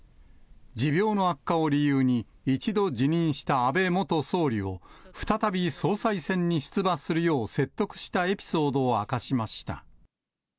持病の悪化を理由に一度辞任した安倍元総理を、再び総裁選に出馬するよう説得したエピソードを明かしました。